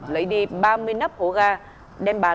lấy đi ba mươi nắp hố ga đem bán